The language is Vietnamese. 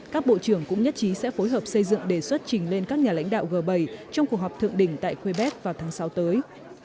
các bộ trưởng cũng nhất trí sẽ phối hợp xây dựng đề xuất trình lên các nhà lãnh đạo g bảy trong cuộc họp thượng đỉnh tại quebect vào tháng sáu tới